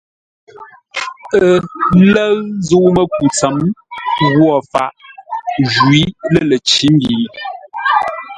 Ə lə̂ʉ zə̂u-mə́ku tsəm ghwo faʼ jwǐ lə̂ ləcǐ-mbî ye.